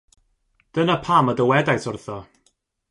Dyna pam y dywedais wrtho.